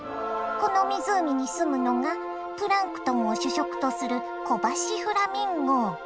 この湖にすむのがプランクトンを主食とするコバシフラミンゴ。